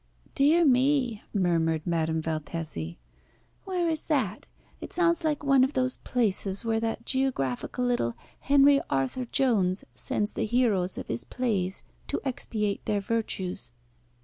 "Dear me!" murmured Madame Valtesi. "Where is that? It sounds like one of the places where that geographical little Henry Arthur Jones sends the heroes of his plays to expiate their virtues."